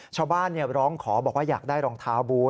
ชาวบ้านร้องขอบอกว่าอยากได้รองเท้าบูธ